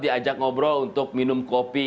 diajak ngobrol untuk minum kopi